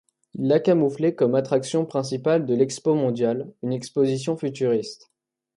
Il l'a camouflé comme attraction principale de l'Expo Mondiale, une exposition futuriste.